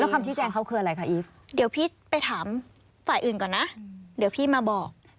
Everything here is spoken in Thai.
คำชี้แจงเขาคืออะไรคะอีฟเดี๋ยวพี่ไปถามฝ่ายอื่นก่อนนะเดี๋ยวพี่มาบอก